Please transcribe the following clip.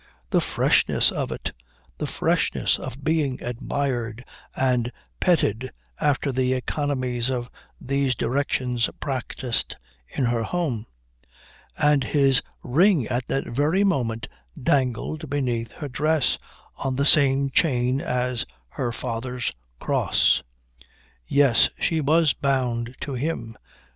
The freshness of it! The freshness of being admired and petted after the economies in these directions practised in her home. And his ring at that very moment dangled beneath her dress on the same chain as her father's cross. Yes, she was bound to him.